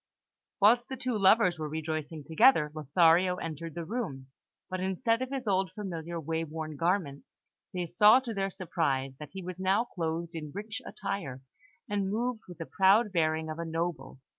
Whilst the two lovers were rejoicing together, Lothario entered the room; but instead of his old familiar, way worn garments, they saw, to their surprise, that he was now clothed in rich attire, and moved with the proud bearing of a noble.